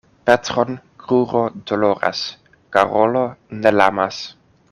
Petron kruro doloras, Karolo ne lamas.